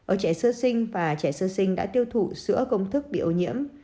ở trẻ sữa sinh và trẻ sữa sinh đã tiêu thụ sữa công thức bị ô nhiễm